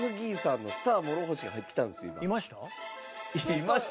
「いました？」